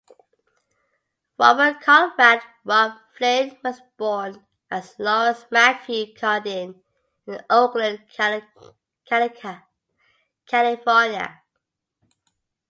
Robert Conrad "Robb" Flynn was born as Lawrence Matthew Cardine in Oakland, California.